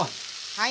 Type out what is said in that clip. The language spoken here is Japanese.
はい。